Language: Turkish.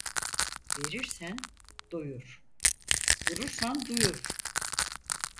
Verirsen doyur, vurursan duyur.